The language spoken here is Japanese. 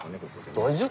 大丈夫。